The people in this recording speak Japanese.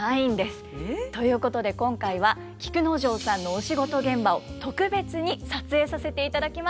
えっ？ということで今回は菊之丞さんのお仕事現場を特別に撮影させていただきました。